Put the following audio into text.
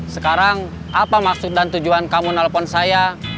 sekarang apa maksud dan tujuan kamu nelpon saya